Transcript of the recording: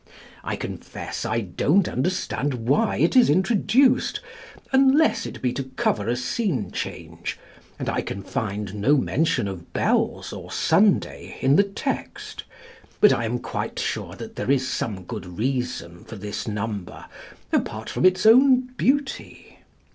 I confess I don't understand why it is introduced, unless it be to cover a scene change, and I can find no mention of bells or Sunday in the text; but I am quite sure there is some good reason for this number, apart from its own beauty.